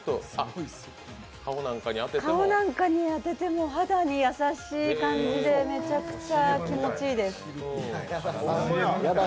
顔なんかに当てても肌に優しい感じでめちゃくちゃ気持ちいいです。